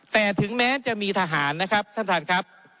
แต่ถึงแม้จะมีทหารนะครับท่านท่านครับ